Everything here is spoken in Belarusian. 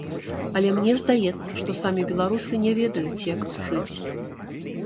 Але мне здаецца, што самі беларусы не ведаюць, як жыць.